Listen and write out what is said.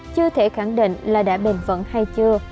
chưa thể khẳng định là đã bền vững hay chưa